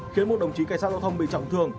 khiến một đồng chí cảnh sát giao thông bị trọng thương